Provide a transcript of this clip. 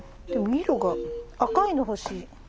でも色が赤いの欲しい。